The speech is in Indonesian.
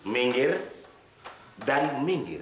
minggir dan minggir